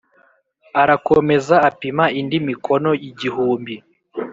Arakomeza apima indi mikono igihumbi